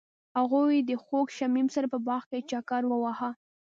هغوی د خوږ شمیم سره په باغ کې چکر وواهه.